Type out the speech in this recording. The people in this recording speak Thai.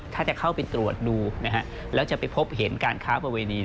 ถ้าจะเข้าไปตรวจดูแล้วจะไปพบเห็นการค้าประเวณี